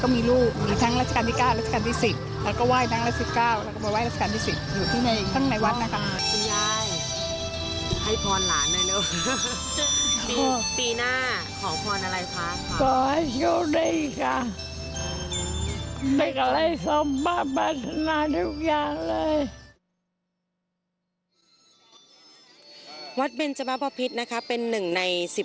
มาทุกอย่างเลย